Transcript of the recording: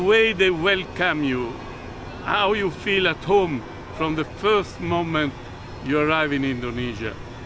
bagaimana anda merasa di rumah dari saat pertama anda menarik ke indonesia